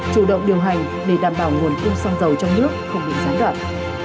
chủ động điều hành để đảm bảo nguồn kim song dầu trong nước không bị gián đoạn